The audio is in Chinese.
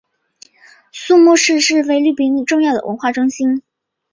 宿雾市是菲律宾重要的文化中心。